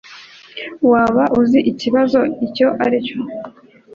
Waba uzi ikibazo icyo aricyo?